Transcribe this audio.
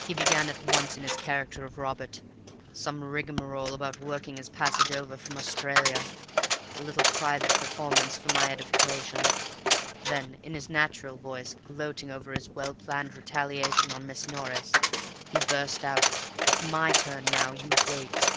"He began at once in his character of Robert—some rigmarole about working his passage over from Australia; a little private performance for my edification. Then in his natural voice, gloating over his well planned retaliation on Miss Norris, he burst out, 'It's my turn now. You wait.